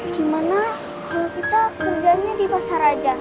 gimana kita kerjanya di pasar aja